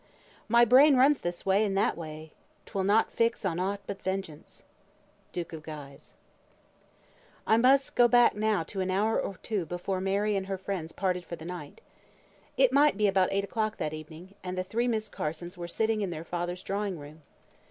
"My brain runs this way and that way; 'twill not fix On aught but vengeance." DUKE OF GUISE. I must now go back to an hour or two before Mary and her friends parted for the night. It might be about eight o'clock that evening, and the three Miss Carsons were sitting in their father's drawing room.